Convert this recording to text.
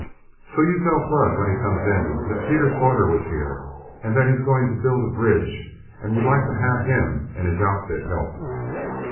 So you tell Flood when he comes in, that Pete Slaughter was here, and that he's going to build a bridge, and would like to have him and his outfit help."